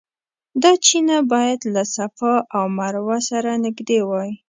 دا چینه باید له صفا او مروه سره نږدې وای.